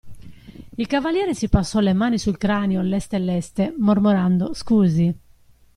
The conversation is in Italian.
Il cavaliere si passò le mani sul cranio, leste, leste, mormorando: Scusi.